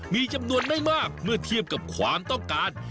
มีจำนวนไม่มากเมื่อเทียบกับความต้องการ